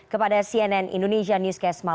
kepada cnn indonesia newscast